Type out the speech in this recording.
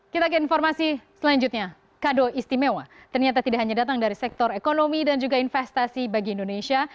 kita ke informasi selanjutnya kado istimewa ternyata tidak hanya datang dari sektor ekonomi dan juga investasi bagi indonesia